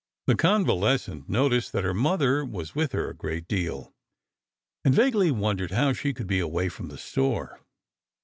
The convalescent noticed that her mother was with her a great deal, and vaguely wondered how she could be away from the store.